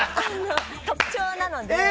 特徴なので。